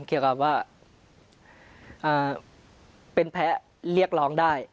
เกี่ยวกับว่าเป็นแพ้เรียกร้องได้